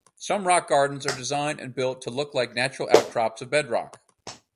Some rock gardens are designed and built to look like natural outcrops of bedrock.